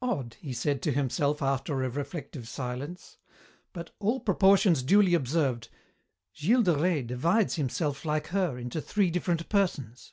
"Odd," he said to himself after a reflective silence, "but, all proportions duly observed, Gilles de Rais divides himself like her, into three different persons.